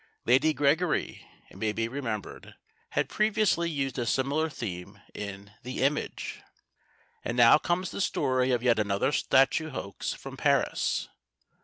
Lady Gregory, it may be remembered, had previously used a similar theme in The Image. And now comes the story of yet another statue hoax from Paris.